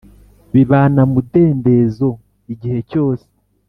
bibana mudendezo igihe cyose ,